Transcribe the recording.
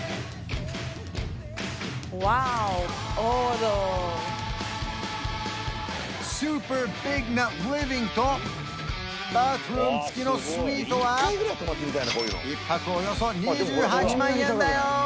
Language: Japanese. そんなスーパービッグなリビングとバスルーム付きのスイートは１泊およそ２８万円だよ